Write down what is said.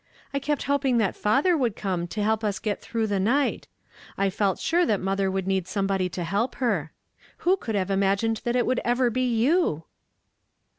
" I kept hoping that father would come to help us get through the night. I felt sure that motlAcr would need somebody to heii) ^i^i' ♦'WE HAVE HEAliD HIS VOICE.' 39 Who could have imagined that it would ever be you?"